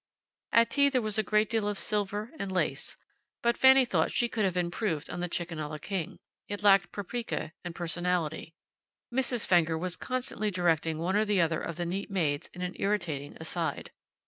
At tea there was a great deal of silver, and lace, but Fanny thought she could have improved on the chicken a la king. It lacked paprika and personality. Mrs. Fenger was constantly directing one or the other of the neat maids in an irritating aside.